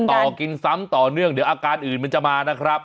ต่อกินซ้ำต่อเนื่องเดี๋ยวอาการอื่นมันจะมานะครับ